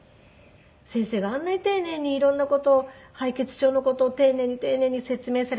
先生があんなに丁寧に色んな事を敗血症の事を丁寧に丁寧に説明されても。